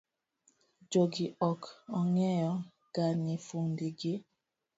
Jogi ok ong'eyo ga ni funde gi.